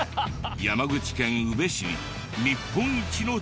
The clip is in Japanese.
山口県宇部市に日本一の珍百景が。